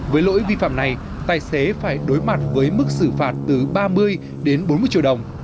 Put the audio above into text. với lỗi vi phạm này tài xế phải đối mặt với mức xử phạt từ ba mươi đến bốn mươi triệu đồng